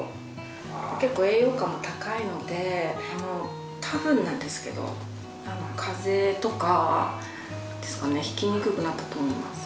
結構栄養価も高いのでたぶんなんですけど風邪とかひきにくくなったと思います。